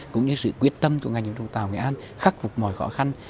cũng như sự quyết tâm của ngành đồng tàu nghệ an khắc phục mọi khó khăn